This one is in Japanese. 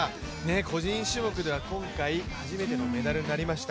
個人種目では今回初めてのメダルとなりました。